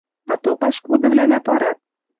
Ато пашкудывлӓнӓ пырат...